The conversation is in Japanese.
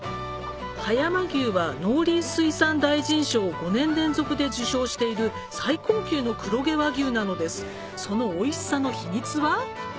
葉山牛は農林水産大臣賞を５年連続で受賞している最高級の黒毛和牛なのですそのおいしさの秘密は？